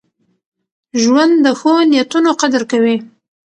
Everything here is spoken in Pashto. ژوند د ښو نیتونو قدر کوي.